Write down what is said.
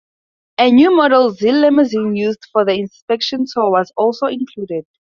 A new model ZiL limousine used for the inspection tour was also included.